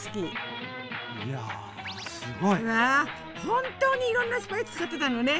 本当にいろんなスパイス使ってたのね！